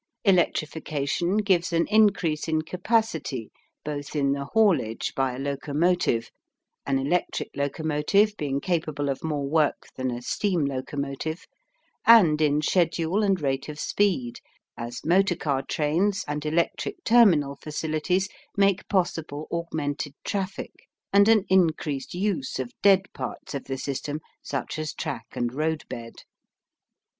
Electrification gives an increase in capacity both in the haulage by a locomotive, an electric locomotive being capable of more work than a steam locomotive, and in schedule and rate of speed, as motor car trains and electric terminal facilities make possible augmented traffic, and an increased use of dead parts of the system such as track and roadbed.